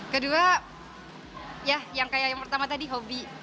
kedua ya yang kayak yang pertama tadi hobi